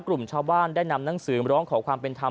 กลุ่มชาวบ้านได้นำหนังสือมาร้องขอความเป็นธรรม